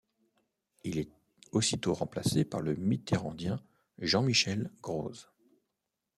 Il est aussitôt remplacé par le mitterrandien Jean-Michel Grosz.